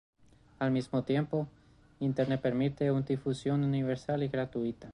Al mismo tiempo, Internet permite un difusión universal y gratuita.